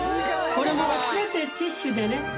これも全てティッシュでね